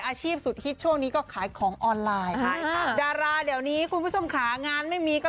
อาชีพสุดฮิตช่วงนี้ก็